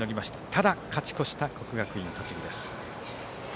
ただ、勝ち越した国学院栃木です。